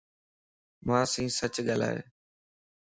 مانسين سچ ڳالھائي